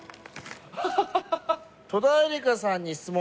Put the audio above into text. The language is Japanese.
「戸田恵梨香さんに質問！」